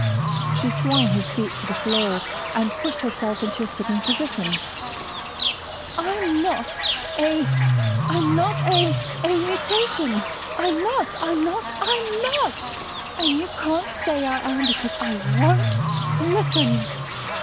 She swung her feet to the floor and pushed herself into a sitting position. "I'm not a ... a mutation. I'm not, I'm not, I'm NOT, and you can't say I am, because I won't listen!"